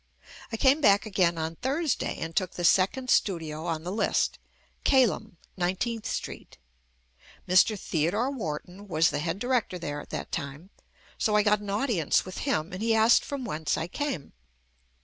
I came back again on Thursday and took the second studio on the list— "Kalem, 19th Street." Mr. Theo dore Wharton was the head director there at that time, so I got an audience with him and he asked from whence I came.